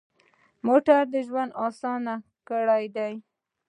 موټر ژوند اسان کړی دی.